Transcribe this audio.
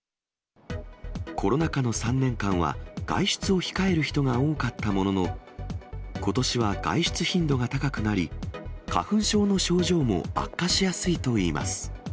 コロナ禍の３年間は外出を控える人が多かったものの、ことしは外出頻度が高くなり、花粉症の症状も悪化しやすいといいます。